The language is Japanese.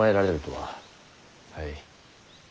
はい。